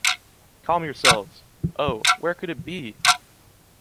Calm yourselves! Oh, where could it be?